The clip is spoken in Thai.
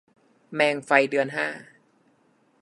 แมงไฟเดือนห้า